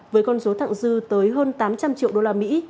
với con số thẳng dư tới hơn tám trăm linh triệu đô la mỹ